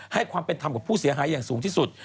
ให้ความเป็นธรรมกับผู้เสียหายอย่างสูงที่สุด